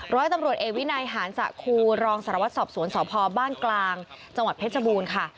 ร้อยตำรวจเอกวินัยหานสะครูรองสารวัตรสอบสวนสพบ้านกลางจังหวัดเพชรบูรณ์ค่ะ